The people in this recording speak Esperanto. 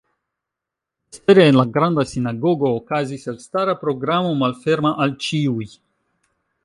Vespere en la Granda Sinagogo okazis elstara programo malferma al ĉiuj.